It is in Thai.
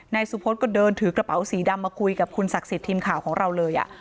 สุพธก็เดินถือกระเป๋าสีดำมาคุยกับคุณศักดิ์สิทธิ์ทีมข่าวของเราเลย